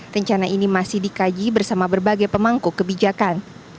rencana ini masih dikaji bersama berbagai pemangku kebijakan